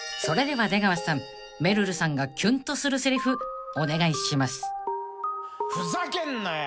［それでは出川さんめるるさんがキュンとするセリフお願いします］